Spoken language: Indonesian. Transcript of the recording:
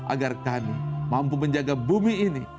agar kami mampu menjaga bumi ini